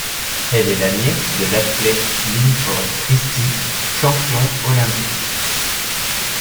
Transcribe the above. Elle est la nièce de l'athlète Linford Christie, champion olympique.